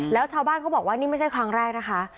แล้วชาวบ้านเขาบอกว่านี่ไม่ใช่ครั้งแรกนะคะ